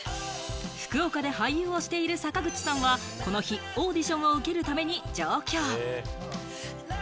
福岡で俳優をしている坂口さんは、この日、オーディションを受けるために上京。